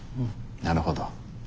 なるほど。